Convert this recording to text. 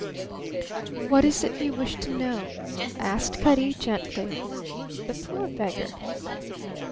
"What is it you wish to know?" asked Cutty, gently. The poor beggar!